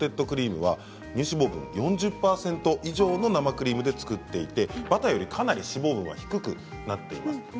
クリームは乳脂肪分が４０％以上の生クリームで作っていてバターよりかなり乳脂肪分が高くなっています。